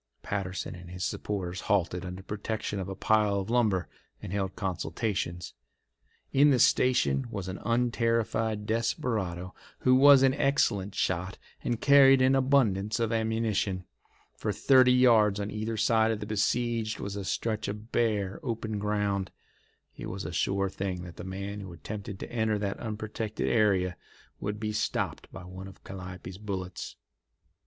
Patterson and his supporters halted under protection of a pile of lumber and held consultations. In the station was an unterrified desperado who was an excellent shot and carried an abundance of ammunition. For thirty yards on either side of the besieged was a stretch of bare, open ground. It was a sure thing that the man who attempted to enter that unprotected area would be stopped by one of Calliope's bullets.